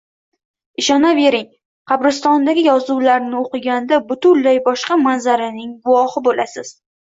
Ishonavering, qabristondagi yozuvlarni o‘qiganda butunlay boshqa manzaraning guvohi bo‘lasiz.